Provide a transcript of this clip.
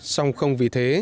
xong không vì thế